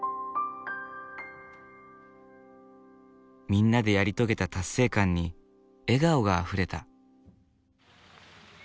みんなでやり遂げた達成感に笑顔があふれた。